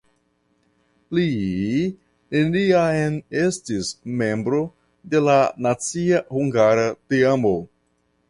Li neniam estis membro de la nacia hungara teamo.